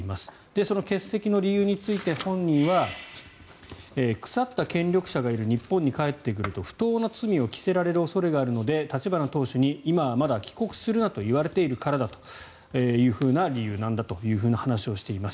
その欠席の理由について本人は、腐った権力者がいる日本に帰ってくると不当な罪を着せられる恐れがあるので立花党首に今はまだ帰国するなと言われているからだという理由なんだという話をしています。